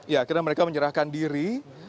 ya akhirnya mereka menyerahkan diri